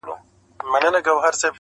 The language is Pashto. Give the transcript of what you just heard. و خوږ زړگي ته مي,